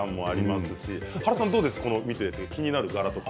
原さんどうですか見ていて気になる柄は。